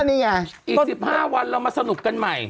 นี่ไงอีก๑๕วันเรามาสนุกกันใหม่